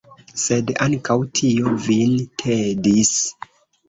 Sed ankaŭ tio vin tedis!